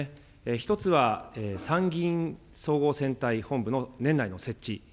１つは参議院総合選対本部の年内の設置。